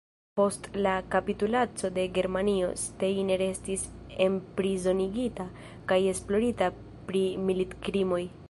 Post la kapitulaco de Germanio, Steiner estis enprizonigita kaj esplorita pri militkrimoj.